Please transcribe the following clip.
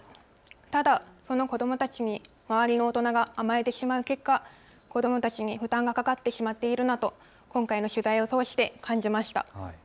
ただその子どもたちに周りの大人が甘えてしまう結果、子どもたちに負担がかかってしまっているなと今回の取材を通して感じました。